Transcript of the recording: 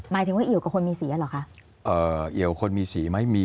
หมายถึงว่าเอี่ยวกับคนมีสีเหรอคะเอ่อเอี่ยวคนมีสีไหมมี